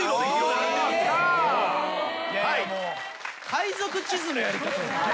海賊地図のやり方。